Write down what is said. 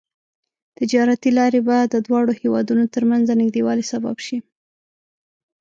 تجارتي لارې به د دواړو هېوادونو ترمنځ د نږدیوالي سبب شي.